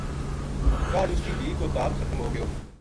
کاہڈ اس کی دھی کو تاپ ختم ہو گیو